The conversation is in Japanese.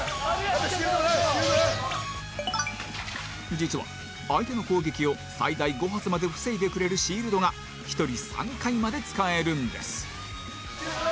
実は相手の攻撃を最大５発まで防いでくれるシールドが１人３回まで使えるんです